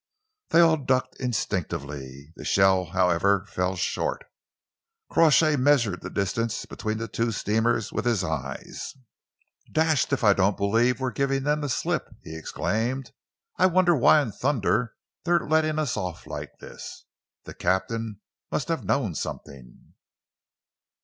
They all ducked instinctively. The shell, however, fell short. Crawshay measured the distance between the two steamers with his eyes. "Dashed if I don't believe we're giving them the slip!" he exclaimed. "I wonder why in thunder they're letting us off like this! The captain must have known something."